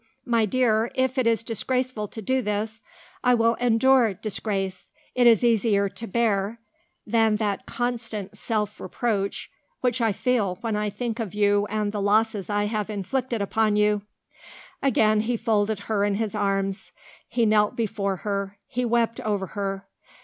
My dear, if it is disgraceful to do this I will endure disgrace. It is easier to bear that than constant self reproach which I feel when I think of you and the losses I have inflicted upon you." Again he folded her in his arms; he knelt before her; he wept over her.